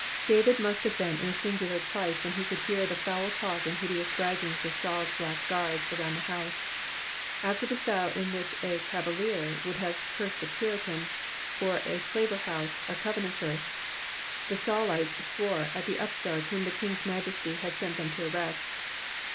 David must have been in a singular plight when he could hear the foul talk and hideous bracrgings of Saul's black guards around the house. After the style in which a Cavalier would have cursed a Puritan, or Claverhouse a Covenanter, the Saulites swore at the upstarts whom the king's majesty had sent them to arrest.